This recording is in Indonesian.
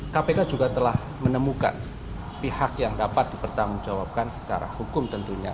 nah kpk juga telah menemukan pihak yang dapat dipertamu jawabkan secara hukum tentunya